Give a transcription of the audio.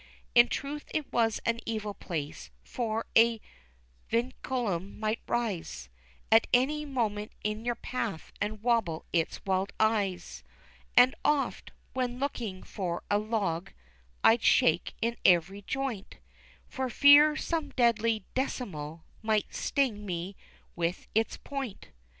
In truth it was an evil place, for a Vinculum might rise At any moment in your path and wobble its wild eyes; And oft, when looking for a log I'd shake in ev'ry joint For fear some deadly Decimal might sting me with its point.